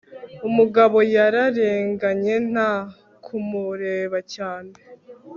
umugabo yararenganye nta kumureba cyane